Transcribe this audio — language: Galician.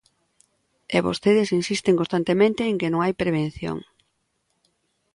E vostedes insisten constantemente en que non hai prevención.